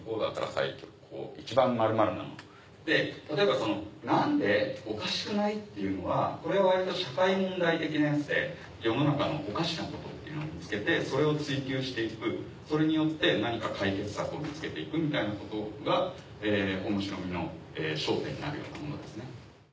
例えば「何で？おかしくない？」っていうのはこれは割と社会問題的なやつで世の中のおかしなことっていうのを見つけてそれを追求して行くそれによって何か解決策を見つけて行くみたいなことが面白みの焦点になるようなものですね。